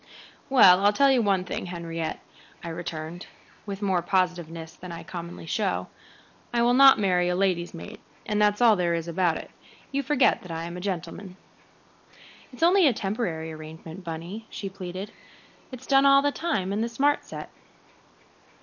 "Well, I'll tell you one thing, Henriette," I returned, with more positiveness than I commonly show, "I will not marry a lady's maid, and that's all there is about it. You forget that I am a gentleman." "It's only a temporary arrangement, Bunny," she pleaded. "It's done all the time in the smart set."